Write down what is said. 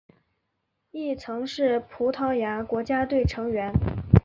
亦曾是葡萄牙国家队成员。